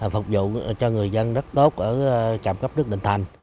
phục vụ cho người dân rất tốt ở trạm cấp nước định thành